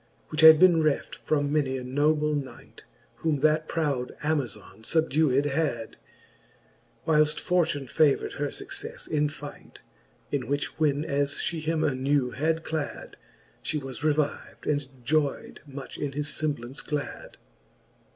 Which had beenc reft from many a noble knight ; Whom that proud Amazon fubdewed had, Whilcfl: fortune favourd her fuccelTe in fight, In which when as fhe him anew had clad, She was reviv'd, and joyd much in his femblance glad.